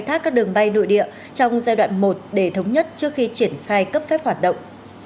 thác các đường bay nội địa trong giai đoạn một để thống nhất trước khi triển khai cấp phép hoạt động